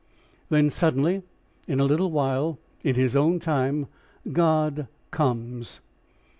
Then suddenly, in a little while, in his own time, God comes.